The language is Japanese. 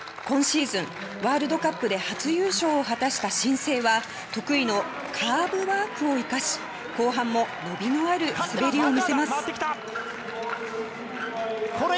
今シーズン、ワールドカップで初優勝を果たした新星は得意のカーブワークを生かし後半も伸びのある滑りを見せます。